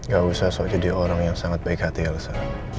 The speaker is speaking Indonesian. gak usah jadi orang yang sangat baik hati elsa